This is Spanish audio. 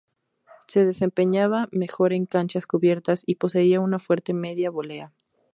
Se desempeñaba mejor en canchas cubiertas y poseía una fuerte media volea.